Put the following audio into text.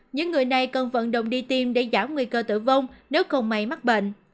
những người này cần vận động đi tiêm để giảm nguy cơ tử vong nếu không may mắc bệnh